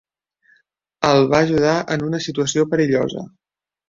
El va ajudar en una situació perillosa.